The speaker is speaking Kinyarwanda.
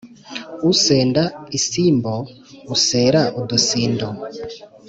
Usenda isimbo usera udusindu.